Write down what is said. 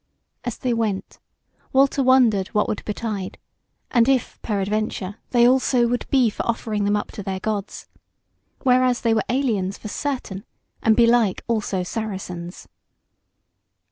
As they went, Walter wondered what would betide, and if peradventure they also would be for offering them up to their Gods; whereas they were aliens for certain, and belike also Saracens.